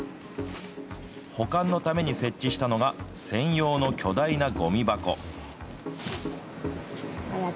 保管のために設置したのが、専用の巨大なごみ箱。